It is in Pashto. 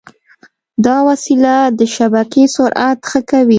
دا وسیله د شبکې سرعت ښه کوي.